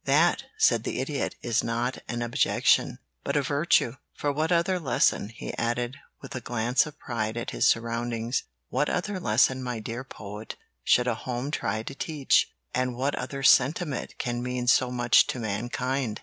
"That," said the Idiot, "is not an objection, but a virtue; for what other lesson," he added, with a glance of pride at his surroundings, "what other lesson, my dear Poet, should a home try to teach, and what other sentiment can mean so much to mankind?"